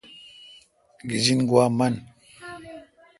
گیجن گوا من۔